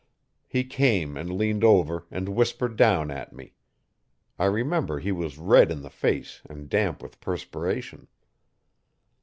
He came and leaned over and whispered down at me. I remember he was red in the face and damp with perspiration.